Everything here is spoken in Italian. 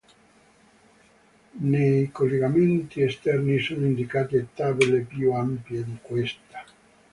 Nei collegamenti esterni sono indicate tabelle più ampie di questa.